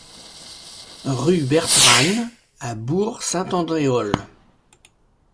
Rue Bertranne à Bourg-Saint-Andéol